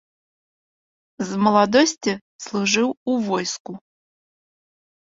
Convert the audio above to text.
З маладосці служыў у войску.